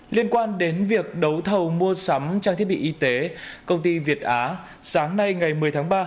liên quan đến việc đấu thầu mua sắm trang thiết bị y tế công ty việt á sáng nay ngày một mươi tháng ba